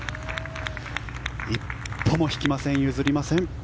一歩も引きません、譲りません。